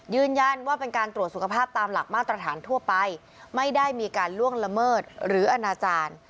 ยืนยันว่าเป็นการตรวจสุขภาพตามหลักมาตรฐานทั่วไปไม่ได้มีการล่วงละเมิดหรืออนาจารย์